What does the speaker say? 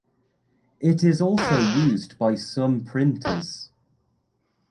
It is also used by some printers.